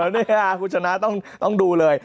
นี่ค่ะคุณชนะต้องดูเลย